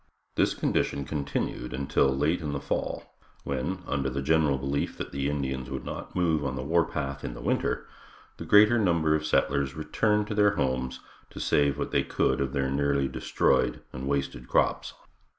This condition continued until late in the fall, when, under the general belief that the Indians would not move on the warpath in the winter, the greater number of settlers returned to their homes to save what they could of their nearly destroyed and wasted crops.